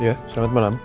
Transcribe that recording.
iya selamat malam